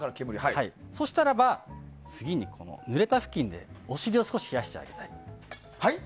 そしたらば、次にぬれた布巾でお尻を少し冷やしてあげたい。